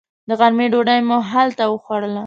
د غرمې ډوډۍ مو هلته وخوړل.